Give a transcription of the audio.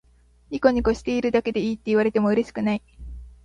ニコニコしているだけでいいって言われてもうれしくない